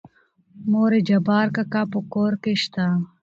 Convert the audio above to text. مورې جبار کاکا په کور کې شته؟